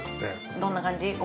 ◆どんな感じ？